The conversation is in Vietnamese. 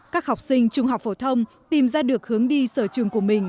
các học sinh trung học phổ thông tìm ra được hướng đi sở trường của mình